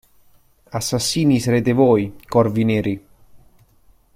Assassini sarete voi, corvi neri.